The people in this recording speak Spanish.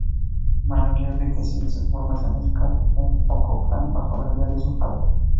Manuel Enríquez inició su formación musical en Ocotlán, bajo la guía de su padre.